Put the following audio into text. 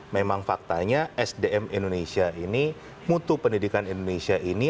memang faktanya sdm indonesia ini mutu pendidikan indonesia ini